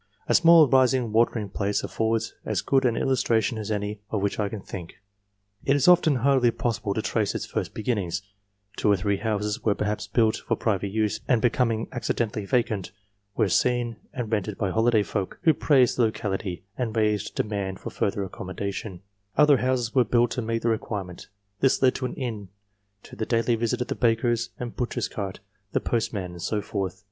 A small rising watering place affords as good an illustration as any of which I can think. It is often hardly possible to trace its first beginnings : two or three houses were perhaps built for private use, and becoming accidentally vacant, were seen and rented by holiday folk, who praised the locality, and raised a demand for further accommodation ; GENERAL CONSIDERATIONS 351 other houses were built to meet the requirement ; this led to an inn, to the daily visit of the baker's and butcher's cart, the postman, and so forth.